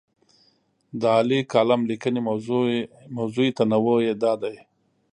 د عالي کالم لیکنې موضوعي تنوع یې دا دی.